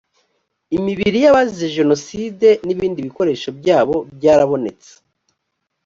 imibiri y ‘abazize jenoside n ‘ibindi bikoresho byabo byarabonetse.